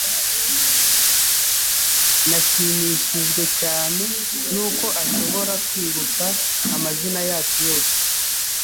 Nashimishijwe cyane nuko ashobora kwibuka amazina yacu yose.